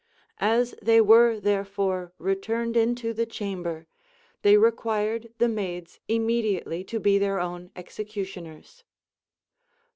As they weve therefore returned into the chamber, they required the maids immediately to be their own executioners.